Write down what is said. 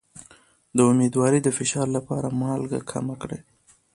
د امیدوارۍ د فشار لپاره مالګه کمه کړئ